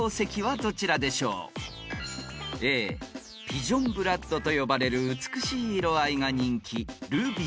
［Ａピジョンブラッドと呼ばれる美しい色合いが人気］